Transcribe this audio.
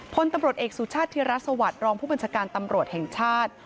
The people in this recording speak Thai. พลตำบลเอกสุชาติธิรัสสวรรค์รองผู้บันธการนี้